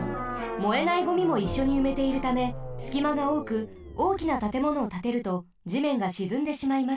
燃えないゴミもいっしょにうめているためすきまがおおくおおきなたてものをたてるとじめんがしずんでしまいます。